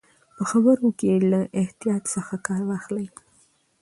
په خبرو کې له احتیاط څخه کار واخلئ.